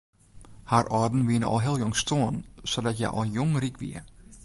Har âlden wiene al heel jong stoarn sadat hja al jong ryk wie.